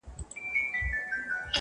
خر هغه ګړی روان سو په ځنګله کي.